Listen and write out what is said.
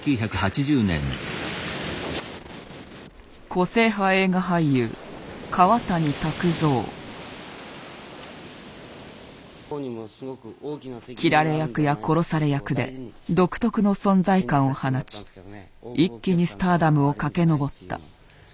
個性派斬られ役や殺され役で独特の存在感を放ち一気にスターダムを駆け上った。